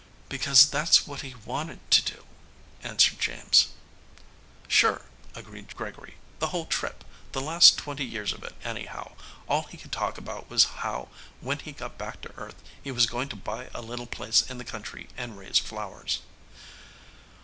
"Because that's what he wanted to do," answered James. "Sure," agreed Gregory, "the whole trip the last twenty years of it, anyhow all he could talk about was how, when he got back to Earth, he was going to buy a little place in the country and raise flowers."